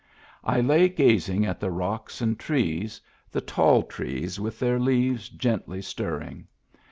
I lay gazing at the rocks and trees, the tall trees with their leaves gently stirring.